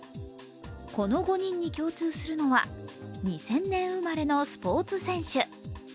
この５人に共通するのは２０００年生まれのスポーツ選手。